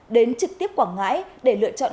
đến trực tiếp quảng ngãi để lựa chọn